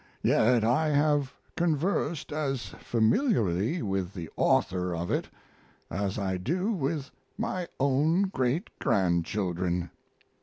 Yet I have conversed as familiarly with the author of it as I do with my own great grandchildren.